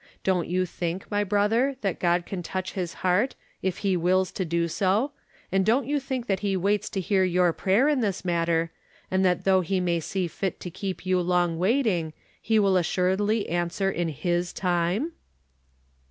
Don't you think, my brother, that God can touch his heart, if he wills to do so, and don't you think that he waits to hear your prayer in this matter, and that though he may see fit to keep you long waiting, he will assuredly answer in Ms time